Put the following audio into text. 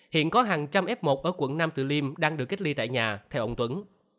hiện có hàng trăm f một ở quận nam từ liêm đang được cách ly tại nhà theo ông tuấn